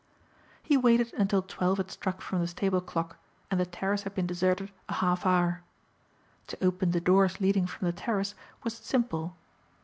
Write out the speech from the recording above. He waited until twelve had struck from the stable clock and the terrace had been deserted a half hour. To open the doors leading from the terrace was simple.